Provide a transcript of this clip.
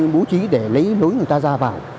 bố trí để lấy lối người ta ra vào